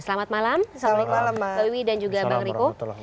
selamat malam assalamualaikum mbak wiwi dan juga bang riko